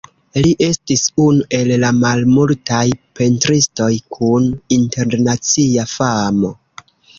Li estis unu el la malmultaj pentristoj kun internacia famo.